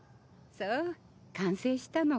そう完成したの。